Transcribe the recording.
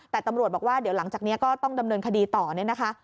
แต่ตำรวจบอกว่าเดี๋ยวหลังจากนี้ก็ต้องดำเนินคดีต่อเนี่ยนะคะ